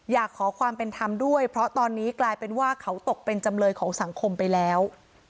อยากขอความเป็นธรรมด้วยเพราะตอนนี้กลายเป็นว่าเขาตกเป็นจำเลยของสังคมไปแล้ว